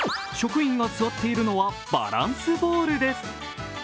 職員が座っているのはバランスボールです。